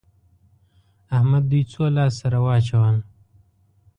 احمد دوی څو لاس سره واچول؟